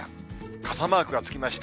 傘マークがつきました。